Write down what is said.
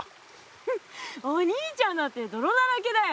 フフお兄ちゃんだってどろだらけだよ。